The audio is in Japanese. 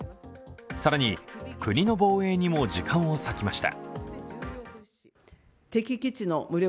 更に、国の防衛にも時間を割きました。